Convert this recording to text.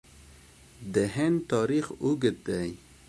د هند تاریخ اوږد دی.